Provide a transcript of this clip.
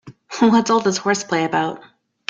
What's all this horseplay about?